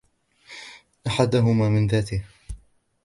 أَحَدُهُمَا مِنْ ذَاتِهِ